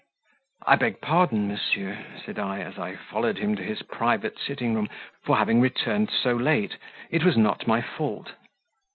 "I beg pardon, monsieur," said I, as I followed him to his private sitting room, "for having returned so late it was not my fault."